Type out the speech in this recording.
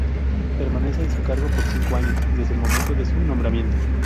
Permanece en su cargo por cinco años desde el momento de su nombramiento.